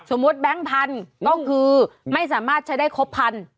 แบงค์พันธุ์ก็คือไม่สามารถใช้ได้ครบพัน